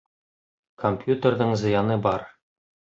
Компьютерҙың зыяны бар